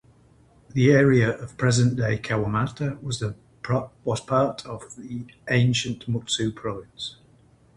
The area of present-day Kawamata was part of ancient Mutsu Province.